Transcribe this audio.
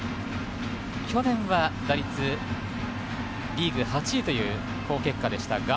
去年は打率リーグ８位という好結果でしたが。